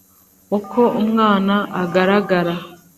Uko umwana agaragara